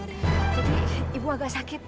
jadi ibu agak sakit